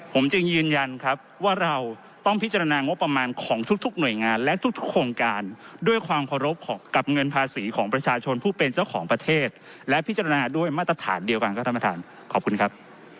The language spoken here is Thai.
ผมจึงยืนยันครับว่าเราต้องพิจารณางบประมาณของทุกหน่วยงานและทุกโครงการด้วยความเคารพกับเงินภาษีของประชาชนผู้เป็นเจ้าของประเทศและพิจารณาด้วยมาตรฐานเดียวกันครับท่านประธานขอบคุณครับ